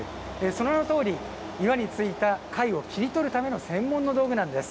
その名のとおり、岩についた貝を切り取るための専門の道具なんです。